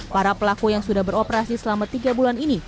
para pelaku yang sudah beroperasi selama tiga bulan ini